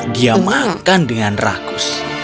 dia makan dengan rakus